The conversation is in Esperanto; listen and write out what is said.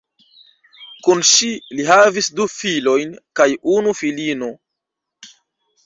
Kun ŝi li havis du filojn kaj unu filino.